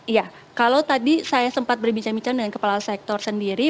iya kalau tadi saya sempat berbincang bincang dengan kepala sektor sendiri